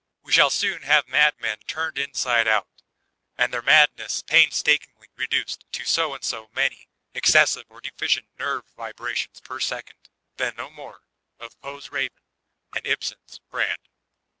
We shall soon have madmen turned inside out, and their madness painstakingly reduced to so and so many excessive or deficient nerve vibrations per second. Then DO more of Poe's ''Raven'' and Ibsen's ''Brand."